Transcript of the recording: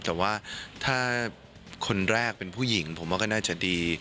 แต่ว่าถ้าคนแรกเป็นผู้หญิงผมว่าก็น่าจะดี